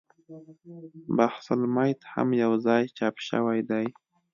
بحث المیت هم یو ځای چاپ شوی دی.